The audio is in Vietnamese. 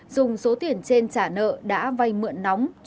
dùng số tiền trên trả nợ đã vay mượn nóng